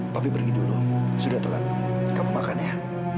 papi pergi dulu sudah telat kamu makan ya